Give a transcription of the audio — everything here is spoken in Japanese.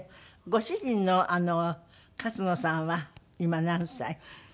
ご主人の勝野さんは今何歳？